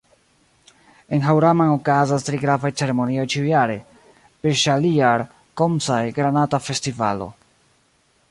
En Haŭraman okazas tri gravaj ceremonioj ĉiujare: PirŜaliar - Komsaj - Granata Festivalo